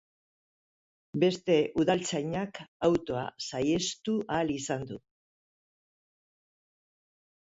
Beste udaltzainak autoa saihestu ahal izan du.